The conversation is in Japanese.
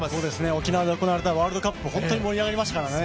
沖縄で行われたワールドカップもホントに盛り上がりましたからね。